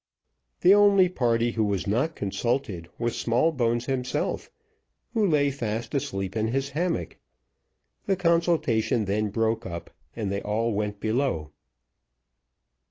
The only party who was not consulted was Smallbones himself, who lay fast asleep in his hammock. The consultation then broke up, and they all went below.